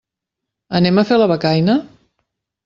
Anem a fer la becaina?